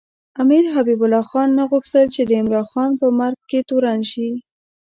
امیر حبیب الله خان نه غوښتل چې د عمراخان په مرګ کې تورن شي.